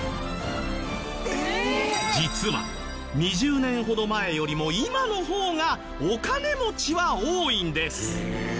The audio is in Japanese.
実は２０年ほど前よりも今の方がお金持ちは多いんです。